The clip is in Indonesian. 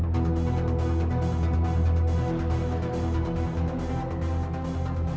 misalnya testing udah selesai